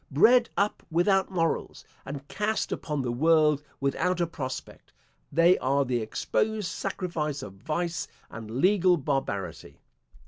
Bred up without morals, and cast upon the world without a prospect, they are the exposed sacrifice of vice and legal barbarity.